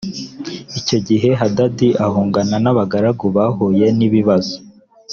icyo gihe hadadi ahungana nabagaragu bahuye nibibazo.